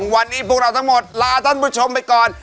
วันนี้พวกเราทั้งหมดลาท่านผู้ชมไปก่อน